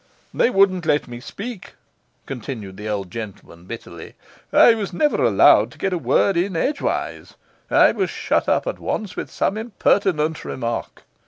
'They wouldn't let me speak,' continued the old gentleman bitterly; 'I never was allowed to get a word in edgewise; I was shut up at once with some impertinent remark.